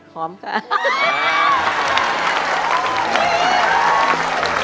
หอมค่ะ